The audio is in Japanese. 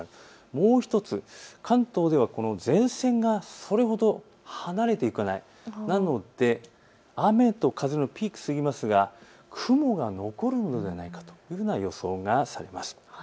もう１つ、関東では前線がそれほど離れていかない、なので雨と風のピークを過ぎますが雲が残るのではないかという予想がされます。